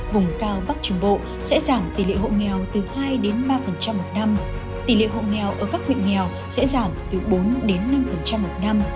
vùng cao bắc trung bộ sẽ giảm tỷ lệ hộ nghèo từ hai đến ba một năm tỷ lệ hộ nghèo ở các huyện nghèo sẽ giảm từ bốn đến năm một năm